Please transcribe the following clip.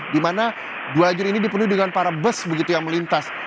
di mana dua lajur ini dipenuhi dengan para bus begitu yang melintas